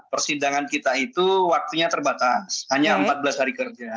persidangan kita itu waktunya terbatas hanya empat belas hari kerja